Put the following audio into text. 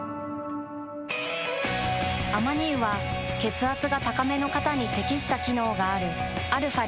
アマニ油は血圧が高めの方に適した機能があるαー